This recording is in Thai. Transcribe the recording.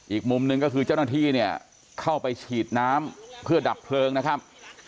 อีกมุมหนึ่งก็คือเจ้าหน้าที่เนี่ยเข้าไปฉีดน้ำเพื่อดับเพลิงนะครับ